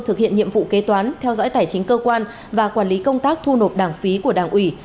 thực hiện nhiệm vụ kế toán theo dõi tài chính cơ quan và quản lý công tác thu nộp đảng phí của đảng ủy